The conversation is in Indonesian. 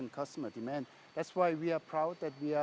oleh itu kami bangga dengan memproduksi mobil axo